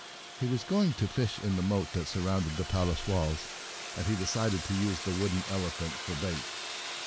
He was going to fish in the moat that surrounded the Pal ace walls, and he decided to use the wooden elephant for bait.